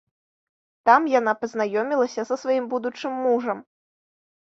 Там яна пазнаёмілася са сваім будучым мужам.